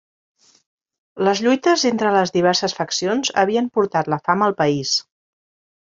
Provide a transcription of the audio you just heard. Les lluites entre les diverses faccions havien portat la fam al país.